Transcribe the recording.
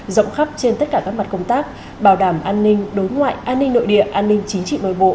rộng khắp trên tất cả các mặt công tác bảo đảm an ninh đối ngoại an ninh nội địa an ninh chính trị nội bộ